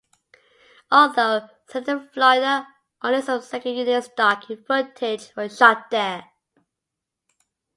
Although set in Florida, only some second-unit stock footage was shot there.